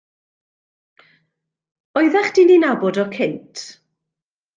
Oddach chdi'n 'i nabod o cynt?